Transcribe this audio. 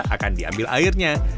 akan diambil airnya